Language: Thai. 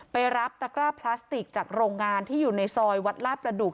ไปรับตะกร้าพลาสติกจากโรงงานที่อยู่ในซอยวัดลาดประดุก